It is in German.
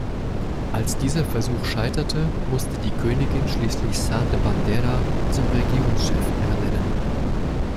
Als dieser Versuch scheiterte, musste die Königin schließlich Sá da Bandeira zum Regierungschef ernennen.